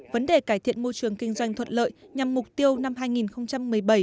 vấn đề cải thiện môi trường kinh doanh thuận lợi nhằm mục tiêu năm hai nghìn một mươi bảy